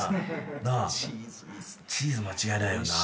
チーズ間違いないよな。